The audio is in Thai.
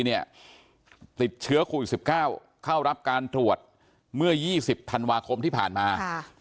ติดเชื้อโควิด๑๙เข้ารับการตรวจเมื่อ๒๐ธันวาคมที่ผ่านมา